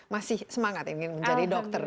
masih semangat ingin menjadi dokter